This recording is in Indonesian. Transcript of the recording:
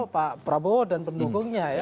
pak prabowo dan pendukungnya